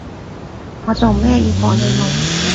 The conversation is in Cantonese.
我做咩要搏你懵？